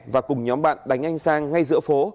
và cùng nhóm bạn đánh anh sang ngay giữa phố